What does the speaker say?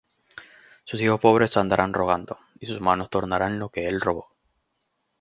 Sus hijos pobres andarán rogando; Y sus manos tornarán lo que él robó.